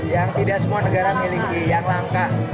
yang tidak semua negara miliki yang langka